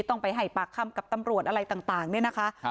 ต้องไปให้ปากคำกับตำรวจอะไรต่างเนี่ยนะคะ